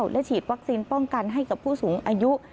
และฉีดวัคซีนป้องกันให้กับผู้สูงอายุ